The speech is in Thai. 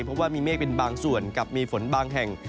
เพราะว่ามีเมฆเป็นบางส่วนกับมีฝนบางแห่ง